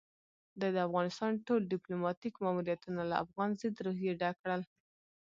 ده د افغانستان ټول ديپلوماتيک ماموريتونه له افغان ضد روحيې ډک کړل.